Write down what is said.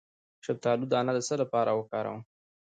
د شفتالو دانه د څه لپاره وکاروم؟